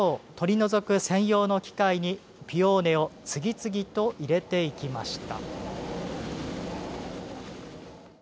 従業員が茎などを取り除く専用の機械にピオーネを次々と入れていきました。